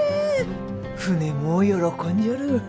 船も喜んじょる。